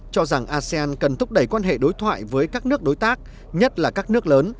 cho rằng asean cần thúc đẩy quan hệ đối thoại với các nước đối tác nhất là các nước lớn